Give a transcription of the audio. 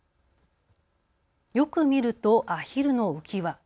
よく見るとアヒルの浮き輪。